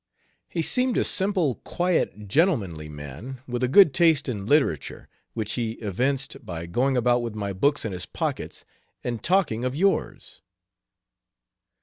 "He seemed a simple, quiet, gentlemanly man, with a good taste in literature, which he evinced by going about with my books in his pockets, and talking of yours."